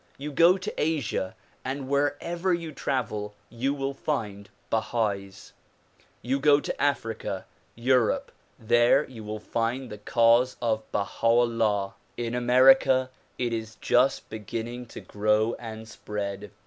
You go to Asia and wherever you travel you will find Bahais. You go to Africa, Europe, there you will find the cause of Baha 'Ullah. In America it is just beginning to grow and spread.